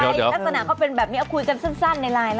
ลักษณะเขาเป็นแบบนี้เอาคุยกันสั้นในไลน์นะ